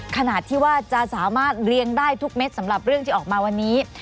ขนาดที่ว่าจะสามารถเรียงได้ทุกเม็ดสำหรับเรื่องที่ออกมาวันนี้